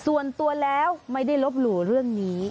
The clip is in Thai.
ส่วนตัวแล้วไม่ได้ลบหลู่เรื่องนี้